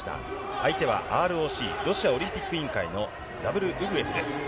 相手はＲＯＣ・ロシアオリンピック委員会のダブル・ウグエフです。